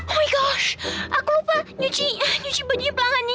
oh my gosh aku lupa nyuci nyuci bajunya pelanggannya